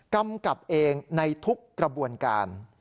กำกับเองในทุกกระบวนการ